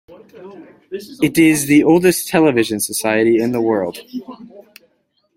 It is the oldest television society in the world.